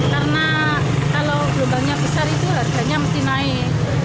karena kalau gurembangnya besar itu harganya mesti naik